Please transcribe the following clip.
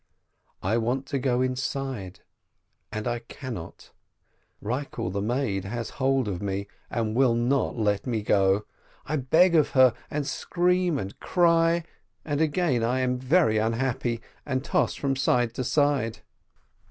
I want to go inside and I cannot — Bikel the maid has hold of me, and will not let me go. I beg of her and scream and cry, and again I am very unhappy, and toss from side to side.